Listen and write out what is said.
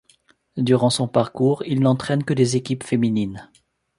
Durant son parcours, il n'entraîne que des équipes féminines.